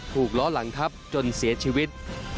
ล้อหลังทับจนเสียชีวิต